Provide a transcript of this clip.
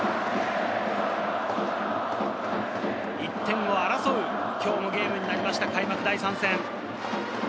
１点を争う今日のゲームになりました、開幕第３戦。